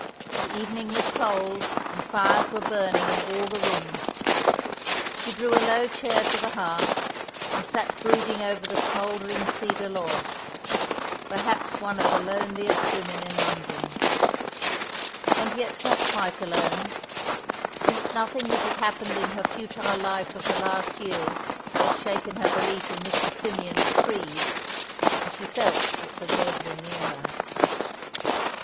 The evening was cold, and fires were burning in all the rooms. She drew a low chair to the hearth, and sat brooding over the smouldering cedar logs, perhaps one of the loneliest women in London; and yet not quite alone, since nothing that had happened in her futile life of the last years had shaken her belief in Mr. Symeon's creed, and she felt that the dead were near her.